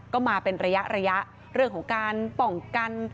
ก็มาเป็นระยะระยะเรื่องของการป้องกัน